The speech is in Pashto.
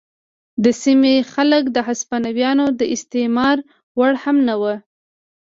د سیمې خلک د هسپانویانو د استثمار وړ هم نه وو.